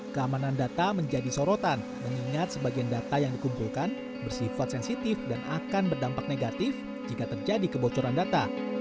keamanan data menjadi sorotan mengingat sebagian data yang dikumpulkan bersifat sensitif dan akan berdampak negatif jika terjadi kebocoran data